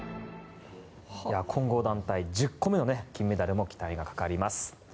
混合団体、１０個目の金メダルにも期待がかかります。